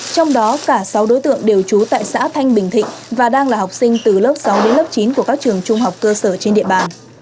trong đó cả sáu đối tượng đều trú tại xã thanh bình thịnh và đang là học sinh từ lớp sáu đến lớp chín của các trường trung học cơ sở trên địa bàn